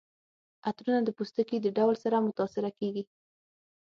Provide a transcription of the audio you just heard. عطرونه د پوستکي د ډول سره متاثره کیږي.